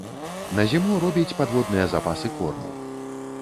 На зіму робіць падводныя запасы корму.